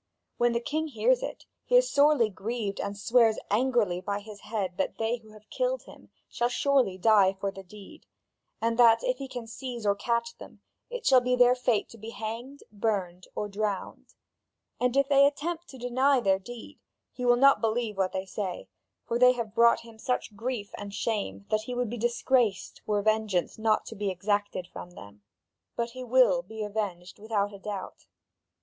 When the king hears it, he is sorely grieved and swears angrily by his head that they who have killed him shall surely die for the deed; and that, if he can seize or catch them, it shall be their fate to be hanged, burned, or drowned. And if they attempt to deny their deed, he will not believe what they say, for they have brought him such grief and shame that he would be disgraced were vengeance not to be exacted from them; but he will be avenged without a doubt.